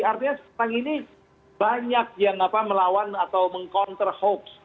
artinya sekarang ini banyak yang melawan atau meng counter hoax